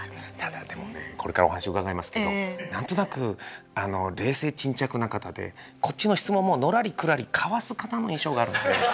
ただでもねこれからお話伺いますけど何となく冷静沈着な方でこっちの質問ものらりくらりかわす方の印象があるので。